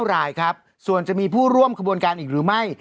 รายครับส่วนจะมีผู้ร่วมขบวนการอีกหรือไม่